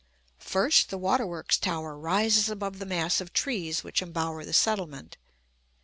First, the water works tower rises above the mass of trees which embower the settlement.